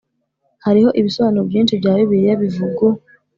hariho ibisobanuro byinshi bya Bibiliya bivugu